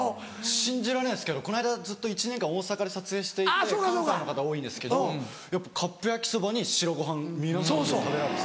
信じられないですけどこの間１年間大阪で撮影していて関西の方多いんですけどやっぱカップ焼きそばに白ご飯皆さん食べられてて。